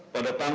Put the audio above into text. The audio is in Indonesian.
pada hari ini